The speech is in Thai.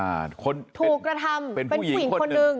อ่าเป็นผู้หญิงคนหนึ่ง